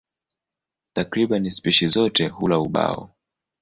Takriban spishi zote hula ubao.